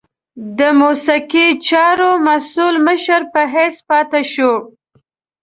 د موسیقي چارو مسؤل مشر په حیث پاته شو.